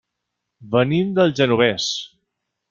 Venim del Genovés.